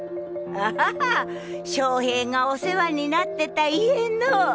あ正平がお世話になってた家の。